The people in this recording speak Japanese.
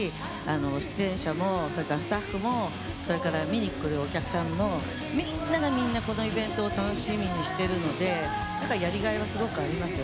出演者もスタッフも見に来るお客さんもみんながみんなこのイベントを楽しみにしているのでやりがいは、すごいありますよ。